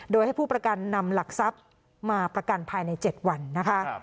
โดยให้ผู้ประกันนำหลักทรัพย์มาประกันภายใน๗วันนะคะ